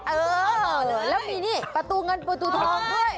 เออแล้วมีนี่ประตูเงินประตูทองด้วย